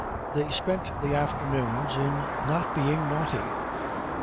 They spent the afternoons in not being naughty.